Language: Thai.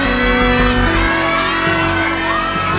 โอ้โห